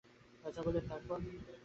রাজা বলিলেন, তার পর?